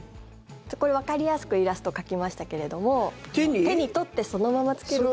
これ、わかりやすくイラスト描きましたけれども手に取ってそのままつけることが。